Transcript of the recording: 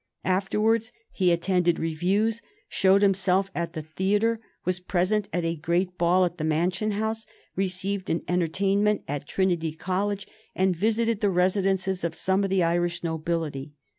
Afterwards he attended reviews, showed himself at the theatre, was present at a great ball at the Mansion House, received an entertainment at Trinity College, and visited the residences of some of the Irish nobility.